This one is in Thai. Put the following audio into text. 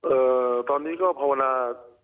เอ่อตอนนี้ก็ภาวนา